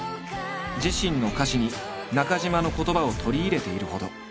自身の歌詞に中島の言葉を取り入れているほど。